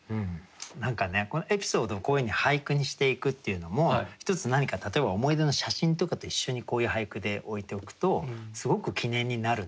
何かねエピソードをこういうふうに俳句にしていくっていうのも一つ何か例えば思い出の写真とかと一緒にこういう俳句で置いておくとすごく記念になるなって。